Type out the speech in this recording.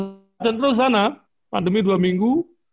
kalau di central sana pandemi dua minggu